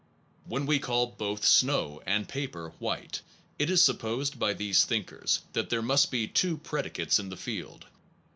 When we call both snow and paper white it is supposed by these thinkers that there must be two predicates in the field.